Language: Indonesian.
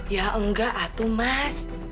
ya enggak atuh mas